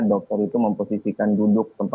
dokter itu memposisikan duduk